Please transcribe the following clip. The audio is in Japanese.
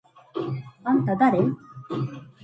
あんただれ？！？